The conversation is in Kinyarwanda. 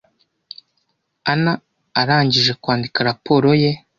Ann arangije kwandika raporo ye.